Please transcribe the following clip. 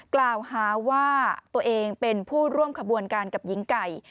กล่าวหาว่าตัวเองเป็นผู้ร่วมขบวนการกับหญิงไก่